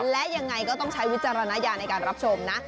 และยังไงก็ต้องใช้วิจารณญาณในการรับชมนะ